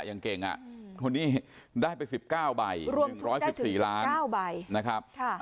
อย่างเก่งอ่ะคนนี้ได้ไป๑๙ใบรวมถูกได้ถึง๙ใบนะครับ